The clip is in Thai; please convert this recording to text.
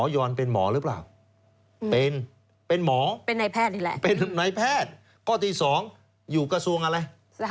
สาธารณสุขด้วย